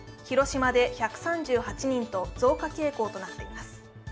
広島で１３８人と増加傾向となっています。